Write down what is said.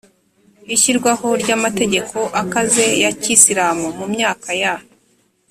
ishyirwaho ry’amategeko akaze ya kisilamu mu myaka ya